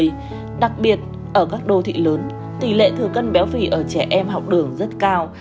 tỷ lệ thừa cân béo phỉ ở các đô thị lớn tỷ lệ thừa cân béo phỉ ở trẻ em học đường rất cao